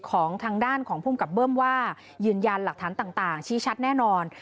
ของทางด้านของภูมิกับเบิ้มว่ายืนยันหลักฐานต่างชี้ชัดแน่นอน